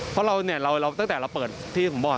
เพราะเราเนี่ยเราตั้งแต่เราเปิดที่ผมบอก